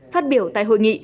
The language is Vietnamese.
phát biểu tại hội nghị